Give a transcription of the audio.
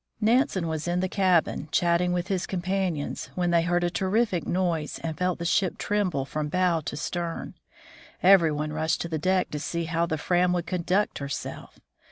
Nansen was in the cabin chatting with his companions, when they heard a terrific noise and felt the ship tremble from bow to stern. Every one rushed to the deck to see how the Fram would conduct herself.